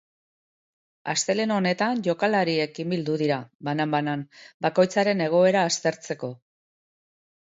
Astelehen honetan jokalariekin bildu dira, banan-banan, bakoitzaren egoera aztertzeko.